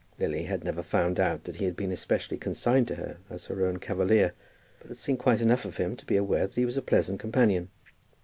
Lily had never found out that he had been especially consigned to her as her own cavalier, but had seen quite enough of him to be aware that he was a pleasant companion.